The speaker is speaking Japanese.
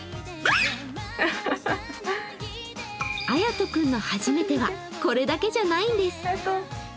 アヤト君の初めてはこれだけじゃないんです。